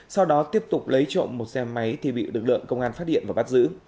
sau đó tiếp tục lấy trộm một xe máy thì bị lực lượng công an phát hiện và bắt giữ